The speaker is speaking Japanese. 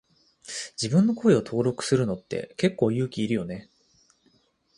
自分の声を登録するのって結構勇気いるよね。